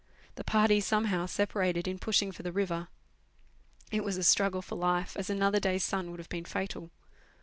The party, somehow, sepa rated in pushing for the river. It was a struggle for life, as another day's sun would have been fatal.